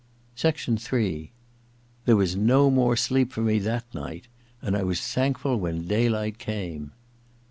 Ill There was no more sleep for me that night, and I was thankful when daylight came.